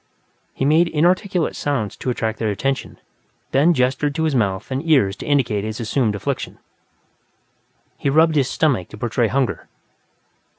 He made inarticulate sounds to attract their attention, then gestured to his mouth and ears to indicate his assumed affliction. He rubbed his stomach to portray hunger.